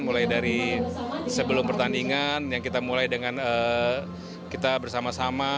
mulai dari sebelum pertandingan yang kita mulai dengan kita bersama sama